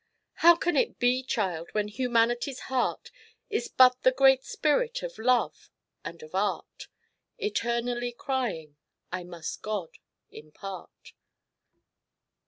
How can it be, child, When humanity's heart Is but the great spirit of love and of art Eternally crying, "I must God impart."